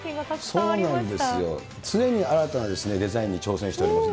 そうですよ、常に新たなデザインに挑戦しております。